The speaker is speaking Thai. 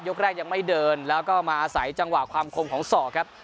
แรกยังไม่เดินแล้วก็มาอาศัยจังหวะความคมของศอกครับ